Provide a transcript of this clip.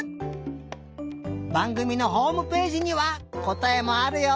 ばんぐみのホームページにはこたえもあるよ！